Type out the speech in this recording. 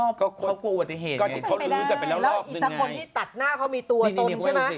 บอกว่าอิตถะคนที่ตัดหน้าเขามีตัวตนใช่ไหม